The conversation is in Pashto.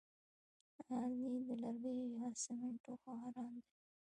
غالۍ له لرګیو یا سمنټو ښه آرام دي.